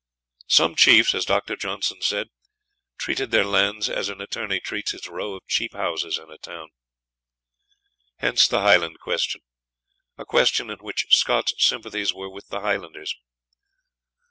Some chiefs, as Dr. Johnson said, treated their lands as an attorney treats his row of cheap houses in a town. Hence the Highland Question, a question in which Scott's sympathies were with the Highlanders.